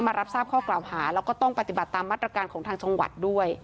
รับทราบข้อกล่าวหาแล้วก็ต้องปฏิบัติตามมาตรการของทางจังหวัดด้วย